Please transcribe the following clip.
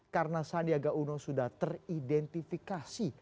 karena sandiaga uno sudah teridentifikasi